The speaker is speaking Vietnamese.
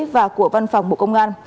và của văn phòng bộ công an